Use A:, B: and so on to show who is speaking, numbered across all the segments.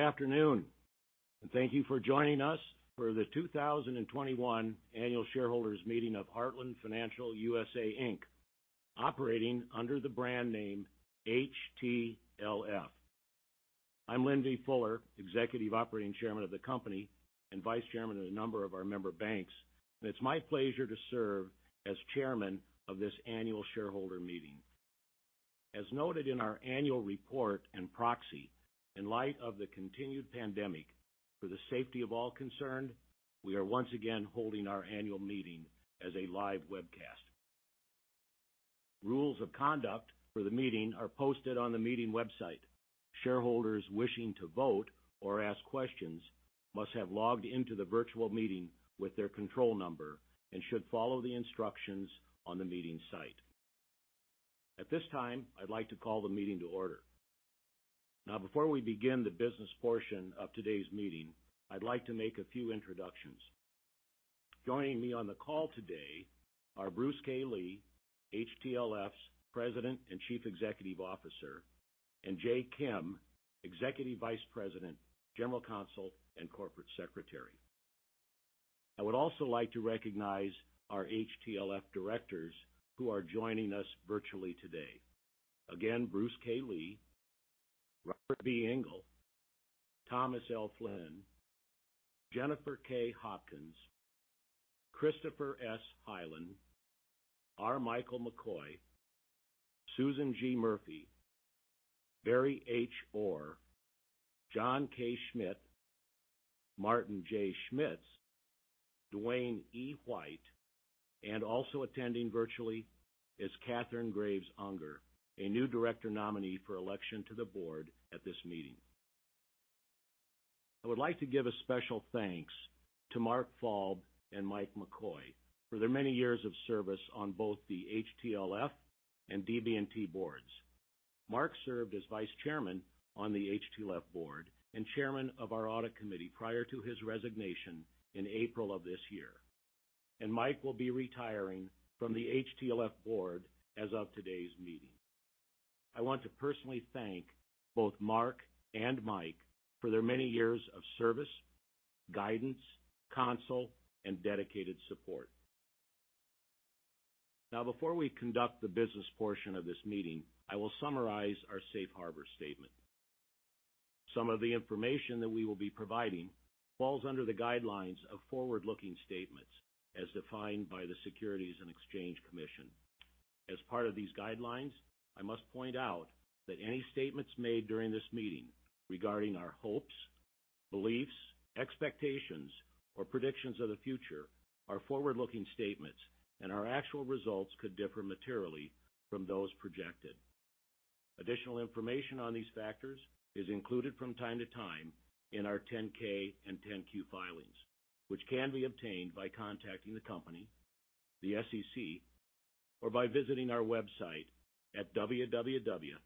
A: Good afternoon, and thank you for joining us for the 2021 Annual Shareholders Meeting of Heartland Financial USA, Inc., operating under the brand name HTLF. I'm Lynn B. Fuller, Executive Operating Chairman of the company and Vice Chairman of a number of our member banks, and it's my pleasure to serve as Chairman of this annual shareholder meeting. As noted in our annual report and proxy, in light of the continued pandemic, for the safety of all concerned, we are once again holding our annual meeting as a live webcast. Rules of conduct for the meeting are posted on the meeting website. Shareholders wishing to vote or ask questions must have logged into the virtual meeting with their control number and should follow the instructions on the meeting site. At this time, I'd like to call the meeting to order. Before we begin the business portion of today's meeting, I'd like to make a few introductions. Joining me on the call today are Bruce K. Lee, HTLF's President and Chief Executive Officer, and Jay Kim, Executive Vice President, General Counsel, and Corporate Secretary. I would also like to recognize our HTLF directors who are joining us virtually today. Bruce K. Lee, Robert B. Engel, Thomas L. Flynn, Jennifer K. Hopkins, Christopher S. Hylen, R. Michael McCoy, Susan G. Murphy, Barry H. Orr, John K. Schmidt, Martin J. Schmitz, Duane E. White, and also attending virtually is Kathryn Graves Unger, a new director nominee for election to the board at this meeting. I would like to give a special thanks to Mark Falb and Mike McCoy for their many years of service on both the HTLF and DB&T boards. Mark served as Vice Chairman on the HTLF board and Chairman of our audit committee prior to his resignation in April of this year, and Mike will be retiring from the HTLF board as of today's meeting. I want to personally thank both Mark and Mike for their many years of service, guidance, counsel, and dedicated support. Now, before we conduct the business portion of this meeting, I will summarize our safe harbor statement. Some of the information that we will be providing falls under the guidelines of forward-looking statements as defined by the Securities and Exchange Commission. As part of these guidelines, I must point out that any statements made during this meeting regarding our hopes, beliefs, expectations, or predictions of the future are forward-looking statements, and our actual results could differ materially from those projected. Additional information on these factors is included from time to time in our 10-K and 10-Q filings, which can be obtained by contacting the company, the SEC, or by visiting our website at www.htlf.com.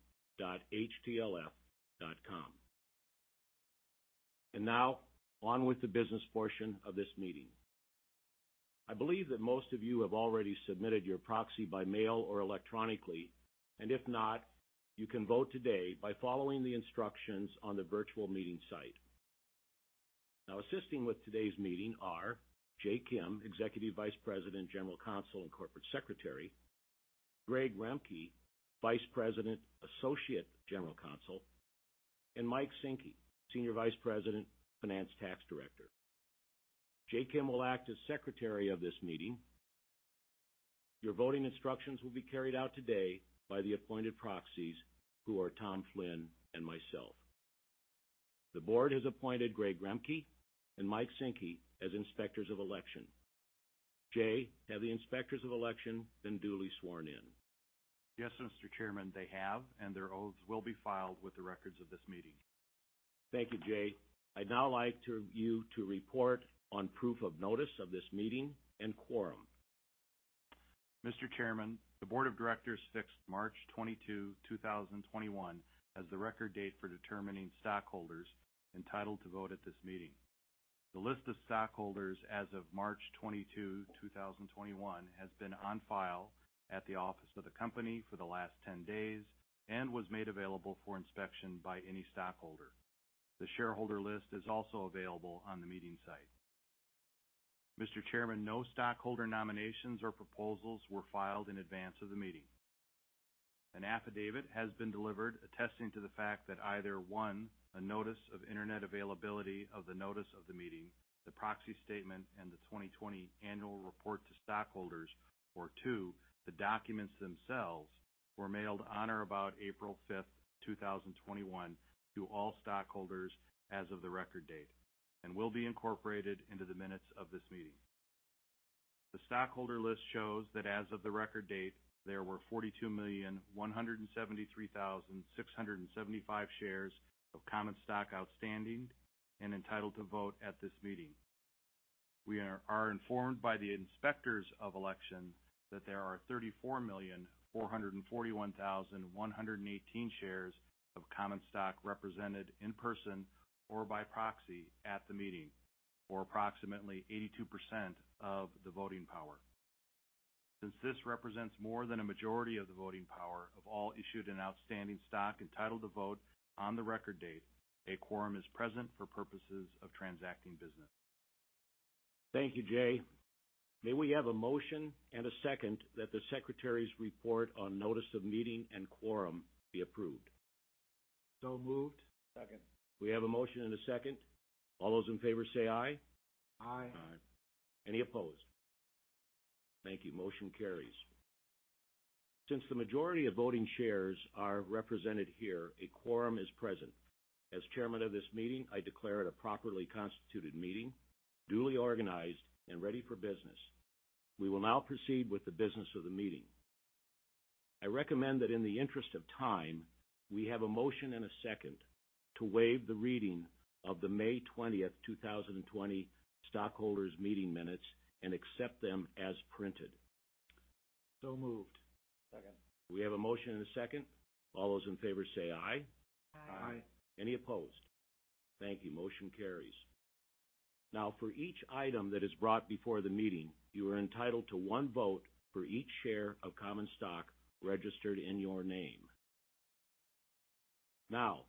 A: Now, on with the business portion of this meeting. I believe that most of you have already submitted your proxy by mail or electronically, and if not, you can vote today by following the instructions on the virtual meeting site. Now, assisting with today's meeting are Jay Kim, Executive Vice President, General Counsel, and Corporate Secretary, Greg Remke, Vice President Associate General Counsel, and Mike Sinkey, Senior Vice President Finance Tax Director. Jay Kim will act as Secretary of this meeting. Your voting instructions will be carried out today by the appointed proxies, who are Tom Flynn and myself. The board has appointed Greg Remke and Mike Sinkey as Inspectors of Election. Jay, have the inspectors of election been duly sworn in?
B: Yes, Mr. Chairman, they have. Their oaths will be filed with the records of this meeting.
A: Thank you, Jay. I'd now like you to report on proof of notice of this meeting and quorum.
B: Mr. Chairman, the Board of Directors fixed March 22, 2021, as the record date for determining stockholders entitled to vote at this meeting. The list of stockholders as of March 22, 2021, has been on file at the office of the company for the last 10 days and was made available for inspection by any stockholder. The shareholder list is also available on the meeting site. Mr. Chairman, no stockholder nominations or proposals were filed in advance of the meeting. An affidavit has been delivered attesting to the fact that either, one, a notice of internet availability of the notice of the meeting, the proxy statement, and the 2020 annual report to stockholders or, two, the documents themselves were mailed on or about April 5th, 2021, to all stockholders as of the record date and will be incorporated into the minutes of this meeting. The stockholder list shows that as of the record date, there were 42,173,675 shares of common stock outstanding and entitled to vote at this meeting. We are informed by the inspectors of election that there are 34,441,118 shares of common stock represented in person or by proxy at the meeting, or approximately 82% of the voting power. Since this represents more than a majority of the voting power of all issued and outstanding stock entitled to vote on the record date, a quorum is present for purposes of transacting business.
A: Thank you, Jay. May we have a motion and a second that the secretary's report on notice of meeting and quorum be approved?
C: Moved. Second.
A: We have a motion and a second. All those in favor say, "Aye."
C: Aye. Aye.
A: Any opposed? Thank you. Motion carries. Since the majority of voting shares are represented here, a quorum is present. As chairman of this meeting, I declare it a properly constituted meeting, duly organized, and ready for business. We will now proceed with the business of the meeting. I recommend that in the interest of time, we have a motion and a second to waive the reading of the May 20th, 2020 stockholders meeting minutes and accept them as printed.
C: So moved. Second.
A: We have a motion and a second. All those in favor say, "Aye."
C: Aye. Aye.
A: Any opposed? Thank you. Motion carries. Now for each item that is brought before the meeting, you are entitled to one vote for each share of common stock registered in your name. Now,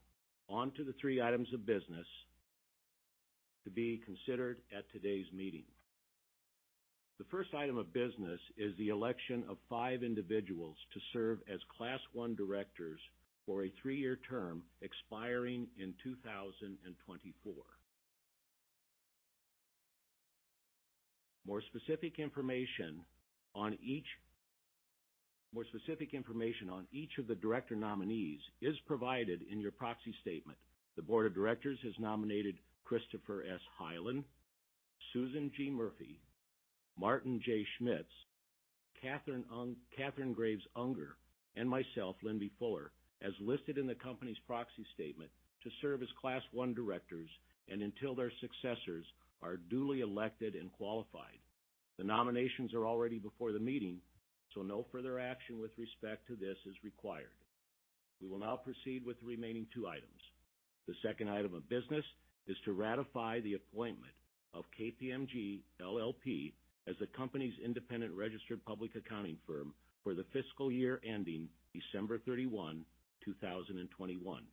A: on to the three items of business to be considered at today's meeting. The first item of business is the election of five individuals to serve as Class I directors for a three-year term expiring in 2024. More specific information on each of the director nominees is provided in your proxy statement. The board of directors has nominated Christopher S. Hylen, Susan G. Murphy, Martin J. Schmitz, Kathryn Graves Unger, and myself, Lynn B. Fuller, as listed in the company's proxy statement to serve as Class I directors and until their successors are duly elected and qualified. The nominations are already before the meeting, so no further action with respect to this is required. We will now proceed with the remaining two items. The second item of business is to ratify the appointment of KPMG LLP as the company's independent registered public accounting firm for the fiscal year ending December 31, 2021.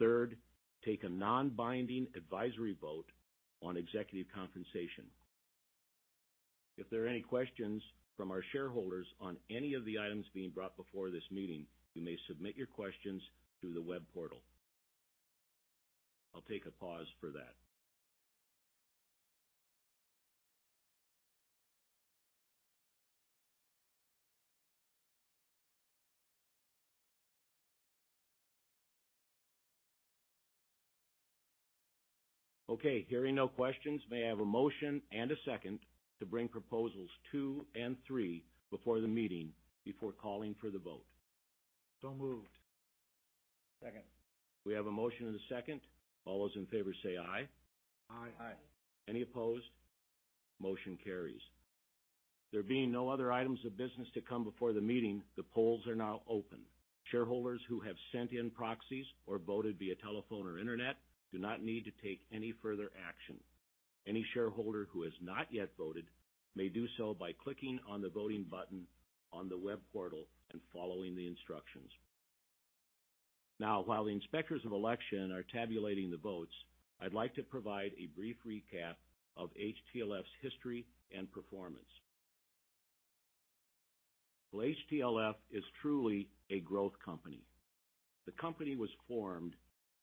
A: Third, take a non-binding advisory vote on executive compensation. If there are any questions from our shareholders on any of the items being brought before this meeting, you may submit your questions through the web portal. I'll take a pause for that. Okay, hearing no questions, may I have a motion and a second to bring Proposals 2 and 3 before the meeting before calling for the vote?
C: So moved. Second.
A: We have a motion and a second. All those in favor say, "Aye."
C: Aye. Aye.
A: Any opposed? Motion carries. There being no other items of business to come before the meeting, the polls are now open. Shareholders who have sent in proxies or voted via telephone or internet do not need to take any further action. Any shareholder who has not yet voted may do so by clicking on the voting button on the web portal and following the instructions. While the inspectors of election are tabulating the votes, I'd like to provide a brief recap of HTLF's history and performance. Well, HTLF is truly a growth company. The company was formed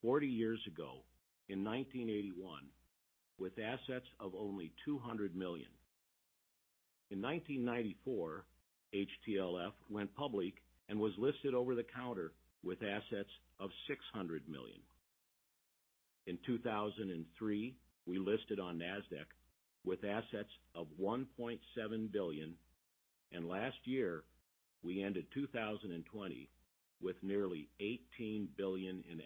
A: 40 years ago in 1981 with assets of only $200 million. In 1994, HTLF went public and was listed over the counter with assets of $600 million. In 2003, we listed on NASDAQ with assets of $1.7 billion. Last year, we ended 2020 with nearly $18 billion in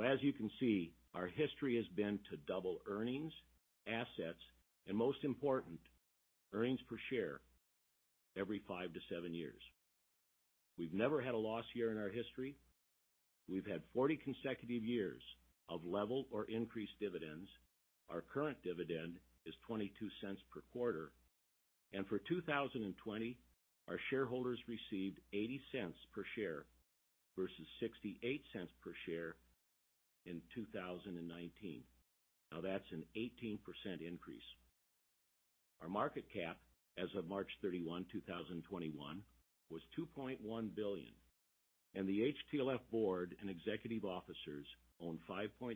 A: assets. As you can see, our history has been to double earnings, assets, and most important, earnings per share every five to seven years. We've never had a loss year in our history. We've had 40 consecutive years of level or increased dividends. Our current dividend is $0.22 per quarter. For 2020, our shareholders received $0.80 per share versus $0.68 per share in 2019. That's an 18% increase. Our market cap as of March 31, 2021 was $2.1 billion, and the HTLF board and executive officers own 5.3%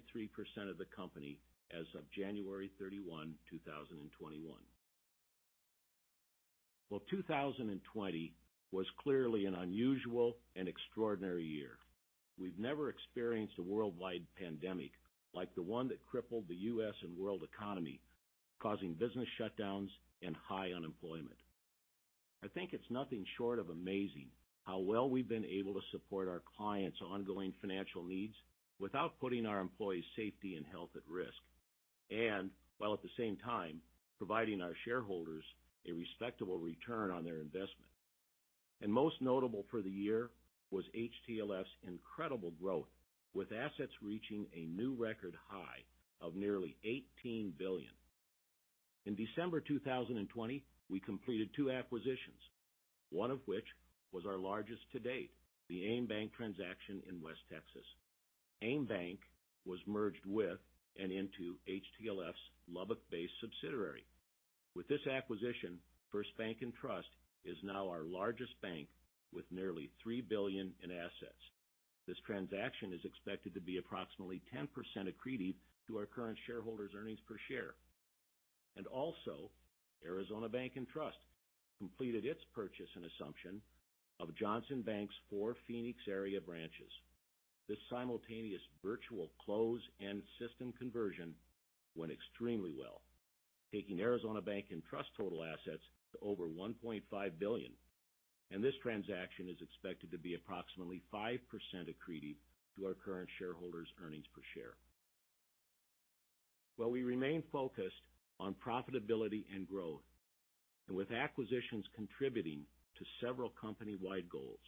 A: of the company as of January 31, 2021. 2020 was clearly an unusual and extraordinary year. We've never experienced a worldwide pandemic like the one that crippled the U.S. and world economy, causing business shutdowns and high unemployment. I think it's nothing short of amazing how well we've been able to support our clients' ongoing financial needs without putting our employees' safety and health at risk, and while at the same time providing our shareholders a respectable return on their investment. Most notable for the year was HTLF's incredible growth, with assets reaching a new record high of nearly $18 billion. In December 2020, we completed two acquisitions, one of which was our largest to date, the AimBank transaction in West Texas. AimBank was merged with and into HTLF's Lubbock-based subsidiary. With this acquisition, FirstBank & Trust is now our largest bank, with nearly $3 billion in assets. This transaction is expected to be approximately 10% accretive to our current shareholders' earnings per share. Also, Arizona Bank & Trust completed its purchase and assumption of Johnson Bank's four Phoenix area branches. This simultaneous virtual close and system conversion went extremely well, taking Arizona Bank & Trust total assets to over $1.5 billion, and this transaction is expected to be approximately 5% accretive to our current shareholders' earnings per share. While we remain focused on profitability and growth, and with acquisitions contributing to several company-wide goals,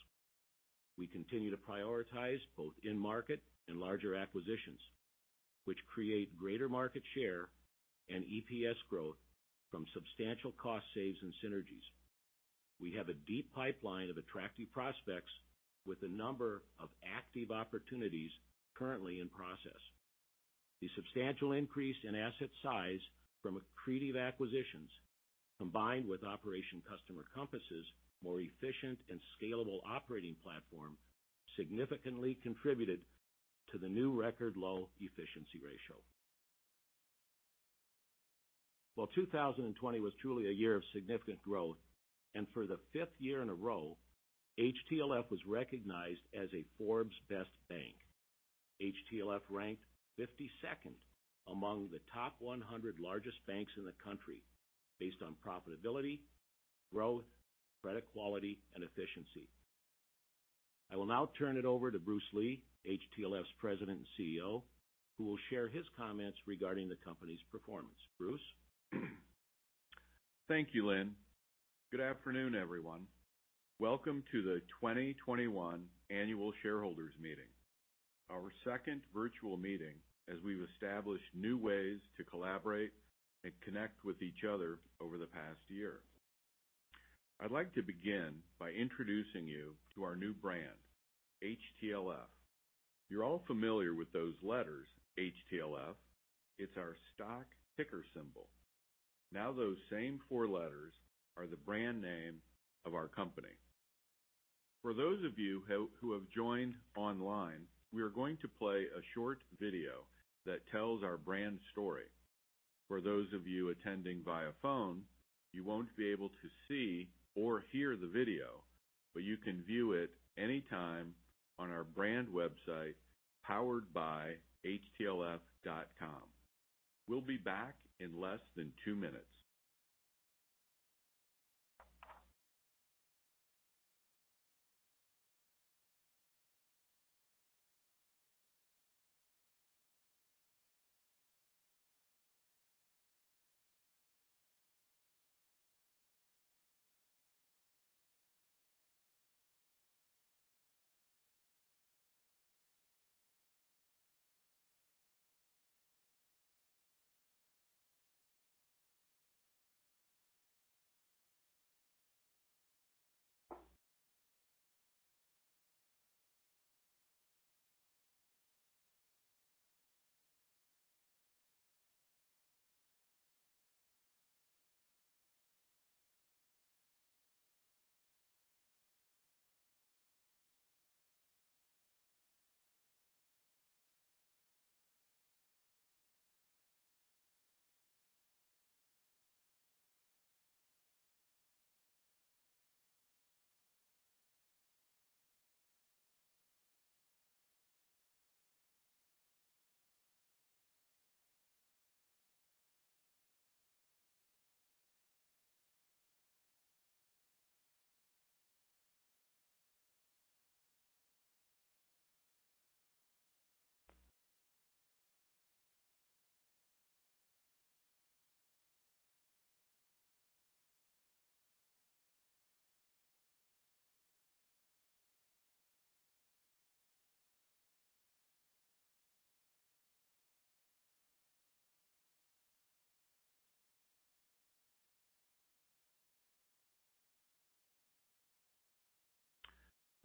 A: we continue to prioritize both in-market and larger acquisitions, which create greater market share and EPS growth from substantial cost saves and synergies. We have a deep pipeline of attractive prospects with a number of active opportunities currently in process. The substantial increase in asset size from accretive acquisitions, combined with Operation Customer Compass' more efficient and scalable operating platform, significantly contributed to the new record low efficiency ratio. While 2020 was truly a year of significant growth, and for the fifth year in a row, HTLF was recognized as a Forbes' Best Bank. HTLF ranked 52nd among the top 100 largest banks in the country based on profitability, growth, credit quality, and efficiency. I will now turn it over to Bruce Lee, HTLF's President and CEO, who will share his comments regarding the company's performance. Bruce?
D: Thank you, Lynn. Good afternoon, everyone. Welcome to the 2021 Annual Shareholders Meeting, our second virtual meeting as we've established new ways to collaborate and connect with each other over the past year. I'd like to begin by introducing you to our new brand, HTLF. You're all familiar with those letters, HTLF. It's our stock ticker symbol. Now those same four letters are the brand name of our company. For those of you who have joined online, we are going to play a short video that tells our brand story. For those of you attending via phone, you won't be able to see or hear the video, but you can view it anytime on our brand website, poweredbyhtlf.com. We'll be back in less than two minutes.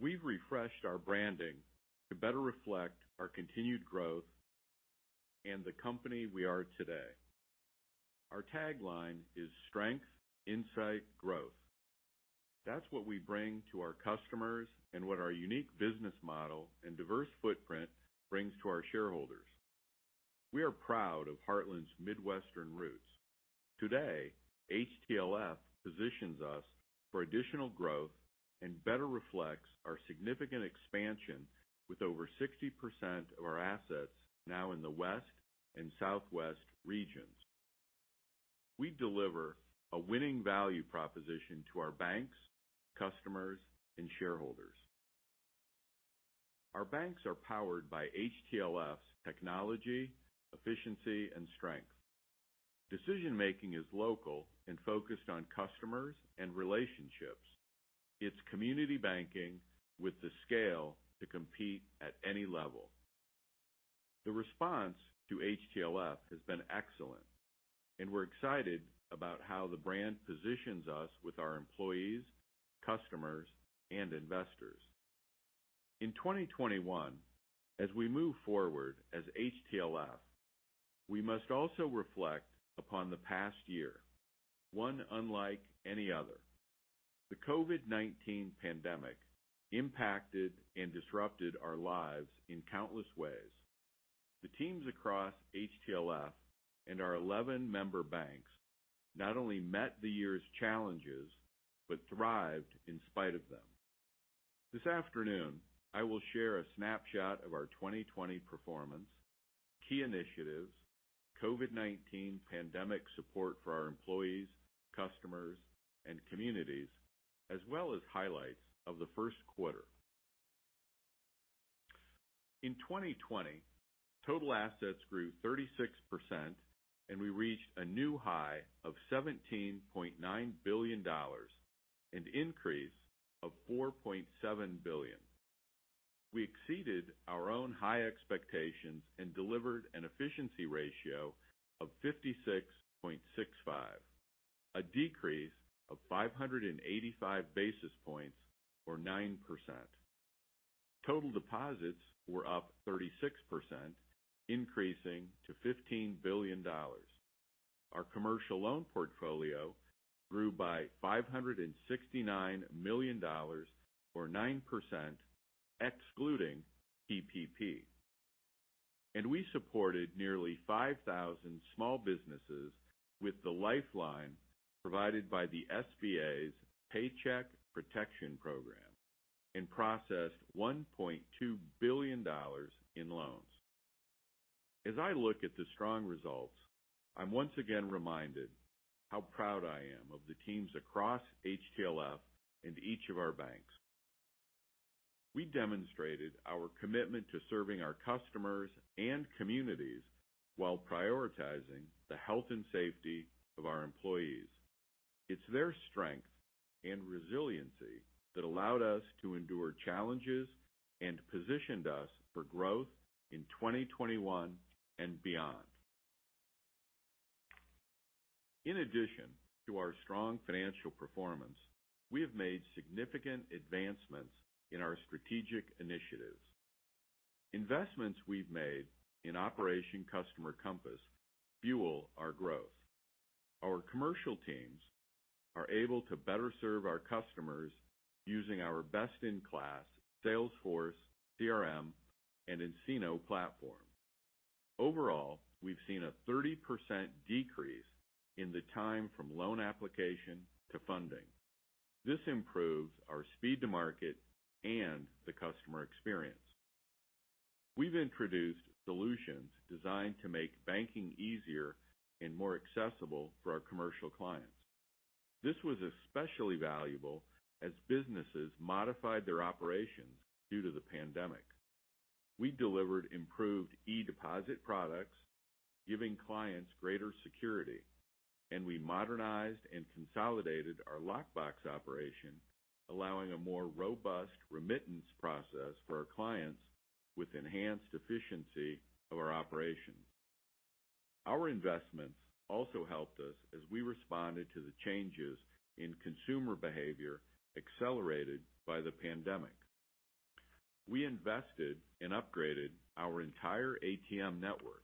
D: We've refreshed our branding to better reflect our continued growth and the company we are today. Our tagline is "Strength. Insight. Growth." That's what we bring to our customers and what our unique business model and diverse footprint brings to our shareholders. We are proud of Heartland's Midwestern roots. Today, HTLF positions us for additional growth and better reflects our significant expansion with over 60% of our assets now in the West and Southwest regions. We deliver a winning value proposition to our banks, customers, and shareholders. Our banks are powered by HTLF's technology, efficiency, and strength. Decision-making is local and focused on customers and relationships. It's community banking with the scale to compete at any level. The response to HTLF has been excellent. We're excited about how the brand positions us with our employees, customers, and investors. In 2021, as we move forward as HTLF, we must also reflect upon the past year, one unlike any other. The COVID-19 pandemic impacted and disrupted our lives in countless ways. The teams across HTLF and our 11 member banks not only met the year's challenges but thrived in spite of them. This afternoon, I will share a snapshot of our 2020 performance, key initiatives, COVID-19 pandemic support for our employees, customers, and communities, as well as highlights of the first quarter. In 2020, total assets grew 36%, we reached a new high of $17.9 billion, an increase of $4.7 billion. We exceeded our own high expectations and delivered an efficiency ratio of 56.65%, a decrease of 585 basis points, or 9%. Total deposits were up 36%, increasing to $15 billion. Our commercial loan portfolio grew by $569 million, or 9%, excluding PPP. We supported nearly 5,000 small businesses with the lifeline provided by the SBA's Paycheck Protection Program and processed $1.2 billion in loans. As I look at the strong results, I'm once again reminded how proud I am of the teams across HTLF and each of our banks. We demonstrated our commitment to serving our customers and communities while prioritizing the health and safety of our employees. It's their strength and resiliency that allowed us to endure challenges and positioned us for growth in 2021 and beyond. In addition to our strong financial performance, we have made significant advancements in our strategic initiatives. Investments we've made in Operation Customer Compass fuel our growth. Our commercial teams are able to better serve our customers using our best-in-class Salesforce CRM and nCino platform. Overall, we've seen a 30% decrease in the time from loan application to funding. This improves our speed to market and the customer experience. We've introduced solutions designed to make banking easier and more accessible for our commercial clients. This was especially valuable as businesses modified their operations due to the pandemic. We delivered improved e-deposit products, giving clients greater security, and we modernized and consolidated our lockbox operation, allowing a more robust remittance process for our clients with enhanced efficiency of our operations. Our investments also helped us as we responded to the changes in consumer behavior accelerated by the pandemic. We invested and upgraded our entire ATM network.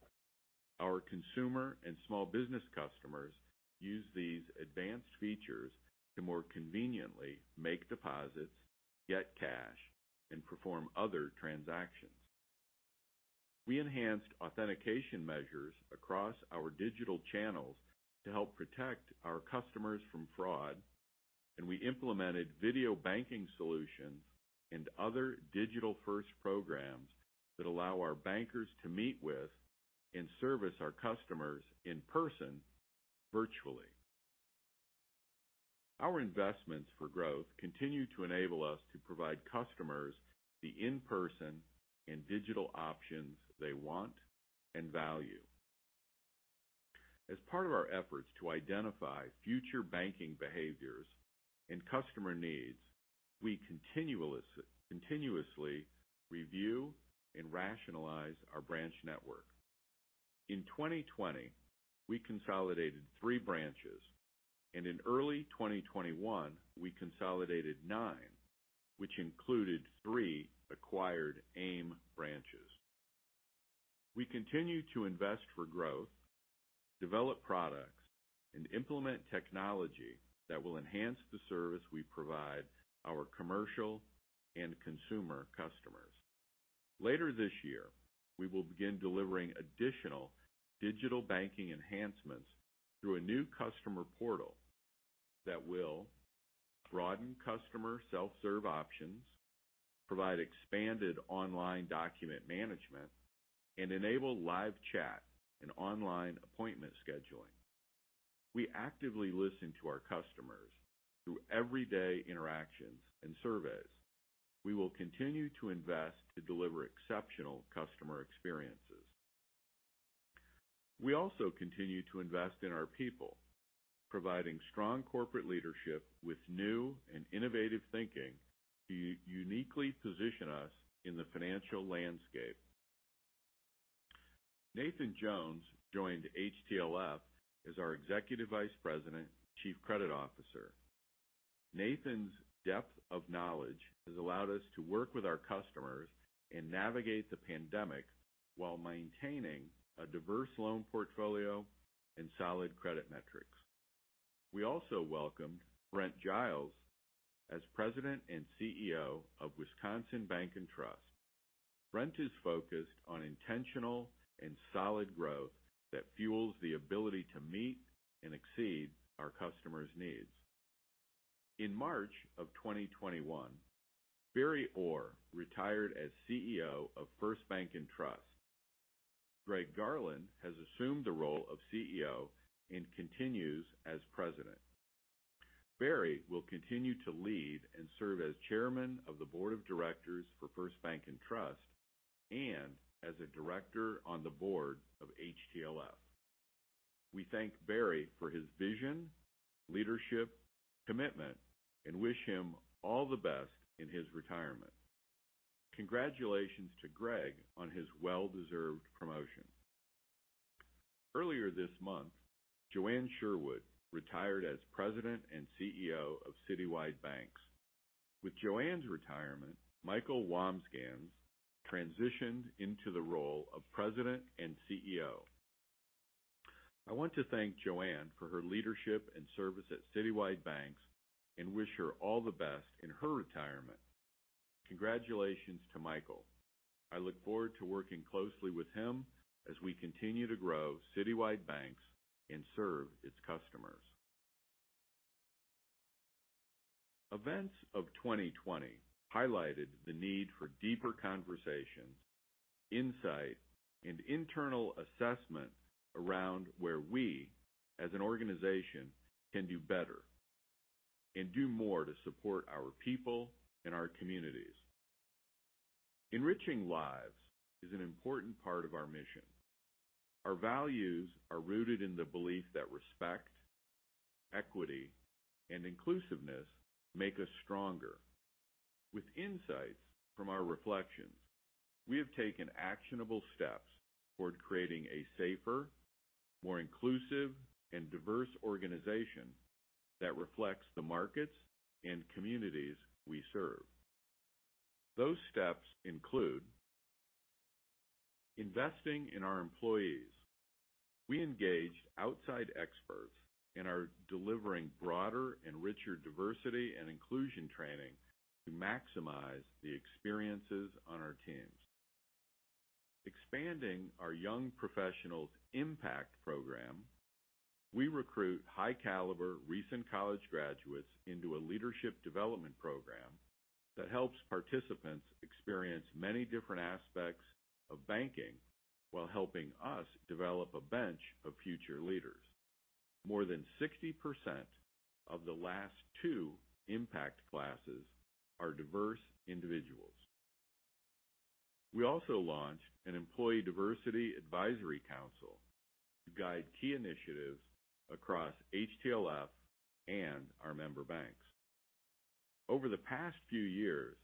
D: Our consumer and small business customers use these advanced features to more conveniently make deposits, get cash, and perform other transactions. We enhanced authentication measures across our digital channels to help protect our customers from fraud, and we implemented video banking solutions and other digital-first programs that allow our bankers to meet with and service our customers in person virtually. Our investments for growth continue to enable us to provide customers the in-person and digital options they want and value. As part of our efforts to identify future banking behaviors and customer needs, we continuously review and rationalize our branch network. In 2020, we consolidated three branches, and in early 2021, we consolidated nine, which included three acquired Aim branches. We continue to invest for growth, develop products, and implement technology that will enhance the service we provide our commercial and consumer customers. Later this year, we will begin delivering additional digital banking enhancements through a new customer portal that will broaden customer self-serve options, provide expanded online document management, and enable live chat and online appointment scheduling. We actively listen to our customers through everyday interactions and surveys. We will continue to invest to deliver exceptional customer experiences. We also continue to invest in our people, providing strong corporate leadership with new and innovative thinking to uniquely position us in the financial landscape. Nathan Jones joined HTLF as our Executive Vice President and Chief Credit Officer. Nathan's depth of knowledge has allowed us to work with our customers and navigate the pandemic while maintaining a diverse loan portfolio and solid credit metrics. We also welcomed Brent Giles as President and CEO of Wisconsin Bank & Trust. Brent is focused on intentional and solid growth that fuels the ability to meet and exceed our customers' needs. In March of 2021, Barry Orr retired as CEO of FirstBank & Trust. Greg Garland has assumed the role of CEO and continues as President. Barry will continue to lead and serve as Chairman of the Board of Directors for FirstBank & Trust and as a Director on the board of HTLF. We thank Barry for his vision, leadership, commitment, and wish him all the best in his retirement. Congratulations to Greg on his well-deserved promotion. Earlier this month, Joanne Sherwood retired as President and CEO of Citywide Banks. With Joanne's retirement, Michael Wamsganz transitioned into the role of President and CEO. I want to thank Joanne for her leadership and service at Citywide Banks and wish her all the best in her retirement. Congratulations to Michael. I look forward to working closely with him as we continue to grow Citywide Banks and serve its customers. Events of 2020 highlighted the need for deeper conversations, insight, and internal assessment around where we, as an organization, can do better and do more to support our people and our communities. Enriching lives is an important part of our mission. Our values are rooted in the belief that respect, equity, and inclusiveness make us stronger. With insights from our reflections, we have taken actionable steps toward creating a safer, more inclusive, and diverse organization that reflects the markets and communities we serve. Those steps include investing in our employees. We engaged outside experts and are delivering broader and richer diversity and inclusion training to maximize the experiences on our teams. Expanding our young professionals Impact Program, we recruit high-caliber recent college graduates into a leadership development program that helps participants experience many different aspects of banking while helping us develop a bench of future leaders. More than 60% of the last two Impact classes are diverse individuals. We also launched an employee Diversity Advisory Council to guide key initiatives across HTLF and our member banks. Over the past few years,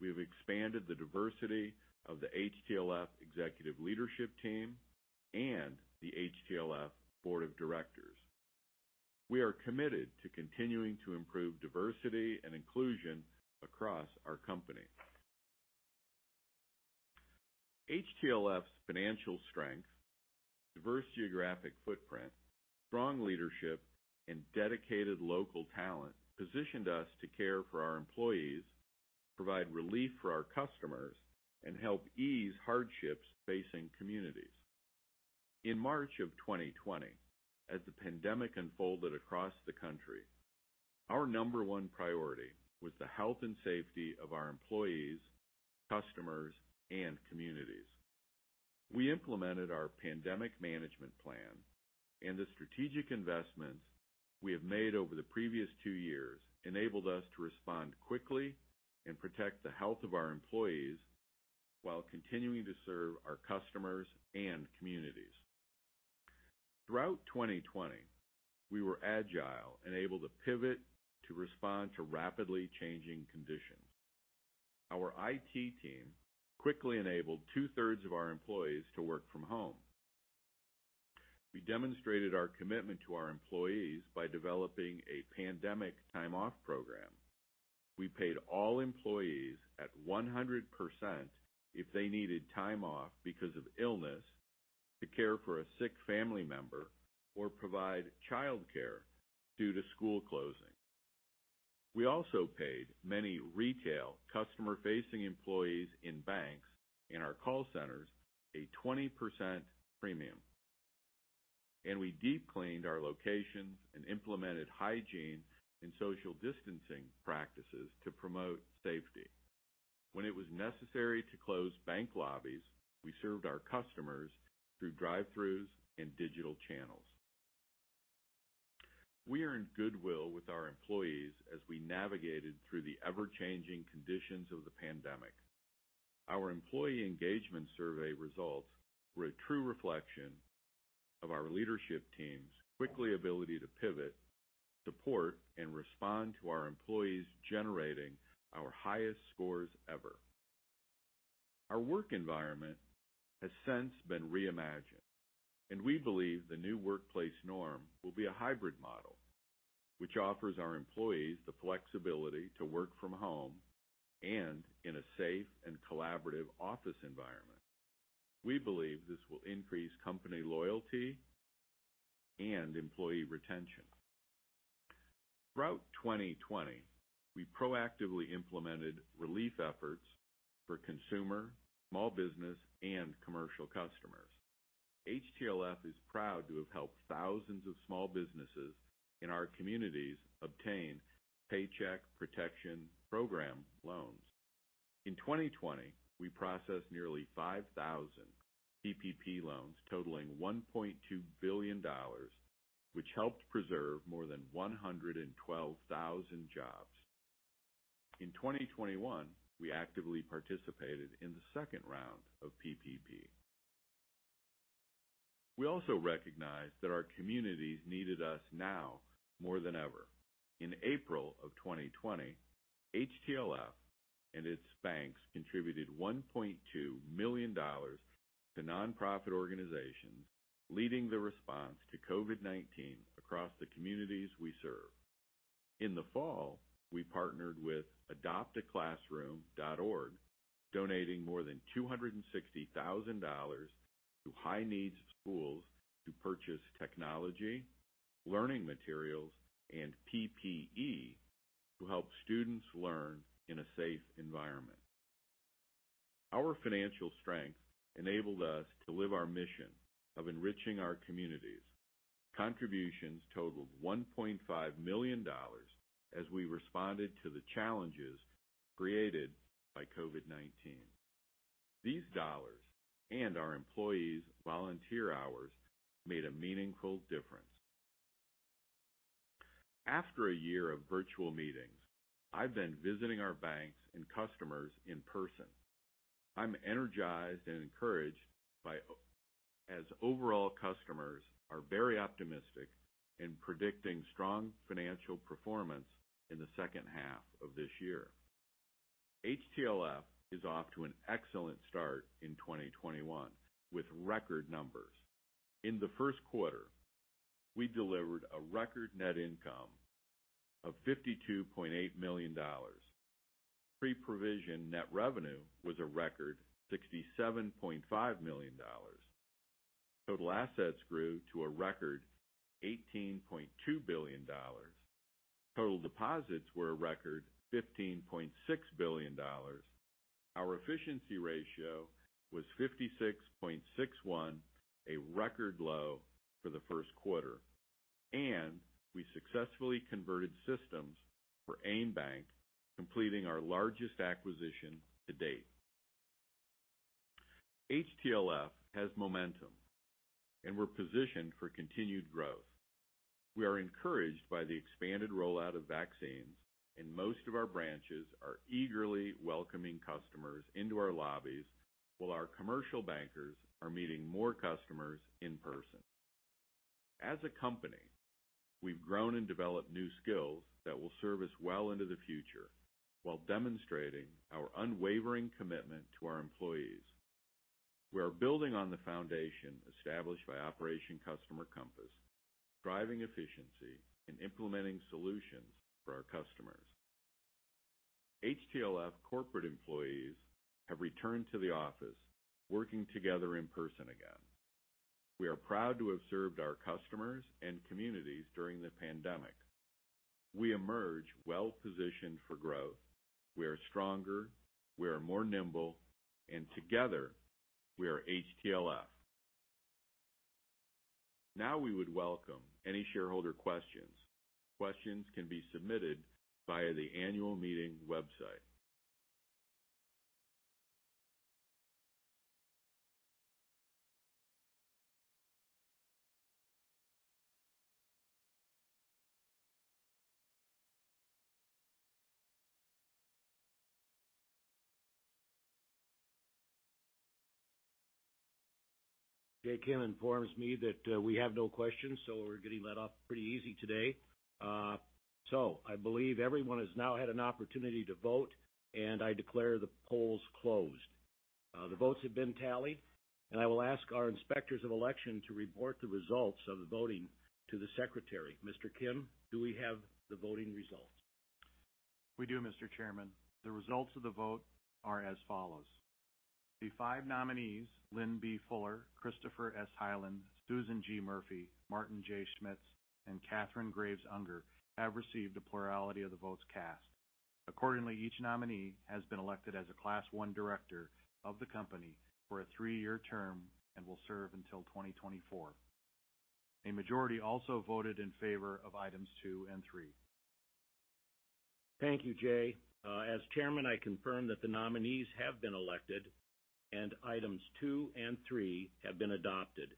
D: we have expanded the diversity of the HTLF executive leadership team and the HTLF Board of Directors. We are committed to continuing to improve diversity and inclusion across our company. HTLF's financial strength, diverse geographic footprint, strong leadership, and dedicated local talent positioned us to care for our employees, provide relief for our customers, and help ease hardships facing communities. In March of 2020, as the pandemic unfolded across the country, our number one priority was the health and safety of our employees, customers, and communities. We implemented our pandemic management plan, and the strategic investments we have made over the previous two years enabled us to respond quickly and protect the health of our employees while continuing to serve our customers and communities. Throughout 2020, we were agile and able to pivot to respond to rapidly changing conditions. Our IT team quickly enabled two-thirds of our employees to work from home. We demonstrated our commitment to our employees by developing a pandemic time-off program. We paid all employees at 100% if they needed time off because of illness, to care for a sick family member, or provide childcare due to school closing. We also paid many retail customer-facing employees in banks and our call centers a 20% premium, and we deep cleaned our locations and implemented hygiene and social distancing practices to promote safety. When it was necessary to close bank lobbies, we served our customers through drive-throughs and digital channels. We earned goodwill with our employees as we navigated through the ever-changing conditions of the pandemic. Our employee engagement survey results were a true reflection of our leadership teams' quick ability to pivot, support, and respond to our employees, generating our highest scores ever. Our work environment has since been reimagined, and we believe the new workplace norm will be a hybrid model, which offers our employees the flexibility to work from home and in a safe and collaborative office environment. We believe this will increase company loyalty and employee retention. Throughout 2020, we proactively implemented relief efforts for consumer, small business, and commercial customers. HTLF is proud to have helped thousands of small businesses in our communities obtain Paycheck Protection Program loans. In 2020, we processed nearly 5,000 PPP loans totaling $1.2 billion, which helped preserve more than 112,000 jobs. In 2021, we actively participated in the second round of PPP. We also recognized that our communities needed us now more than ever. In April of 2020, HTLF and its banks contributed $1.2 million to nonprofit organizations leading the response to COVID-19 across the communities we serve. In the fall, we partnered with AdoptAClassroom.org, donating more than $260,000 to high needs schools to purchase technology, learning materials, and PPE to help students learn in a safe environment. Our financial strength enabled us to live our mission of enriching our communities. Contributions totaled $1.5 million as we responded to the challenges created by COVID-19. These dollars and our employees' volunteer hours made a meaningful difference. After a year of virtual meetings, I've been visiting our banks and customers in person. I'm energized and encouraged as overall customers are very optimistic in predicting strong financial performance in the second half of this year. HTLF is off to an excellent start in 2021 with record numbers. In the first quarter, we delivered a record net income of $52.8 million. Pre-provision net revenue was a record $67.5 million. Total assets grew to a record $18.2 billion. Total deposits were a record $15.6 billion. Our efficiency ratio was 56.61%, a record low for the first quarter, and we successfully converted systems for AimBank, completing our largest acquisition to date. HTLF has momentum, and we're positioned for continued growth. We are encouraged by the expanded rollout of vaccines, and most of our branches are eagerly welcoming customers into our lobbies while our commercial bankers are meeting more customers in person. As a company, we've grown and developed new skills that will serve us well into the future while demonstrating our unwavering commitment to our employees. We are building on the foundation established by Operation Customer Compass, driving efficiency, and implementing solutions for our customers. HTLF corporate employees have returned to the office, working together in person again. We are proud to have served our customers and communities during the pandemic. We emerge well-positioned for growth. We are stronger, we are more nimble, and together we are HTLF. Now we would welcome any shareholder questions. Questions can be submitted via the annual meeting website.
A: Jay Kim informs me that we have no questions. We're getting let off pretty easy today. I believe everyone has now had an opportunity to vote, and I declare the polls closed. The votes have been tallied, and I will ask our inspectors of election to report the results of the voting to the secretary. Mr. Kim, do we have the voting results?
B: We do, Mr. Chairman. The results of the vote are as follows. The five nominees, Lynn B. Fuller, Christopher S. Hylen, Susan G. Murphy, Martin J. Schmitz, and Kathryn Graves Unger, have received a plurality of the votes cast. Accordingly, each nominee has been elected as a Class I director of the company for a three-year term and will serve until 2024. A majority also voted in favor of Items 2 and 3.
A: Thank you, Jay. As chairman, I confirm that the nominees have been elected and Items 2 and 3 have been adopted.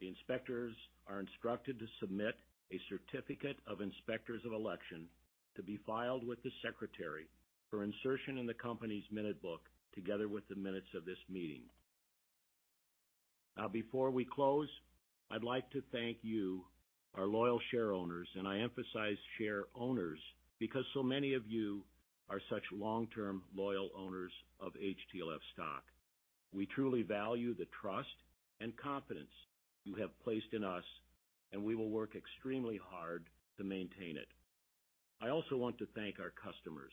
A: The inspectors are instructed to submit a certificate of inspectors of election to be filed with the secretary for insertion in the company's minute book together with the minutes of this meeting. Now, before we close, I'd like to thank you, our loyal shareowners, and I emphasize shareowners because so many of you are such long-term loyal owners of HTLF stock. We truly value the trust and confidence you have placed in us, and we will work extremely hard to maintain it. I also want to thank our customers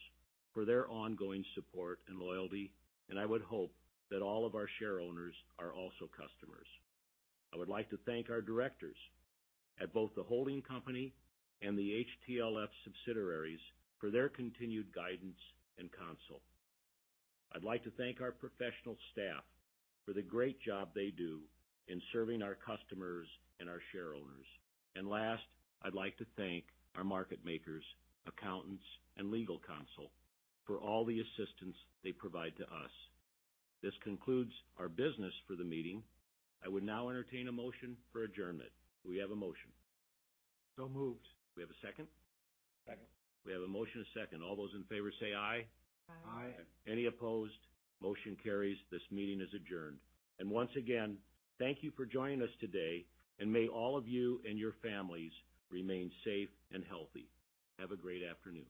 A: for their ongoing support and loyalty, and I would hope that all of our shareowners are also customers. I would like to thank our directors at both the holding company and the HTLF subsidiaries for their continued guidance and counsel. I'd like to thank our professional staff for the great job they do in serving our customers and our shareowners. Last, I'd like to thank our market makers, accountants, and legal counsel for all the assistance they provide to us. This concludes our business for the meeting. I would now entertain a motion for adjournment. Do we have a motion?
B: So moved.
A: Do we have a second?
C: Second.
A: We have a motion and a second. All those in favor say aye.
C: Aye.
A: Any opposed? Motion carries. This meeting is adjourned. Once again, thank you for joining us today, and may all of you and your families remain safe and healthy. Have a great afternoon.